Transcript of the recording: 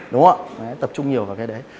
đúng không ạ tập trung nhiều vào cái đấy